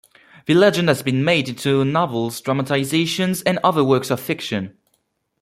The legend has been made into novels, dramatisations and other works of fiction.